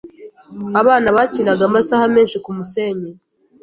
Abana bakinaga amasaha menshi kumusenyi.